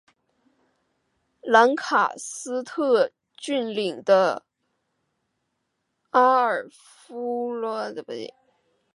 兰卡斯特郡领地阿尔弗斯顿的伯基特男爵。